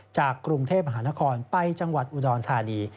จากกรุงเทพมหานครไปจังหวัดอุดรธานี